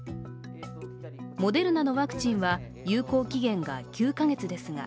モデルナのワクチンは有効期限が９か月ですが、